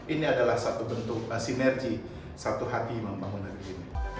ini adalah satu bentuk sinergi satu hati membangunan ini